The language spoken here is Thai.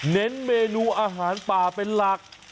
เน้นเมนูอาหารป่าเป็นหลัก